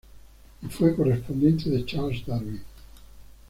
Y fue correspondiente de Charles Darwin.